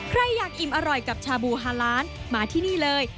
ใครอยากอิ่มอร่อยกับชาบูฮาล้านมาที่นี่เลย